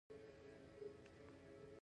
دا هغه خلک دي چې هیڅ تولیدي وسیله نلري.